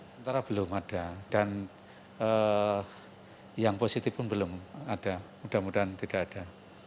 sementara belum ada dan yang positif pun belum ada mudah mudahan tidak ada